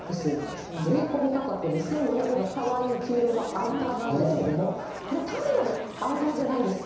税込み価格２５００円の、かわいい黄色のアウターなんですけれども、これ、単なるアウターじゃないんです。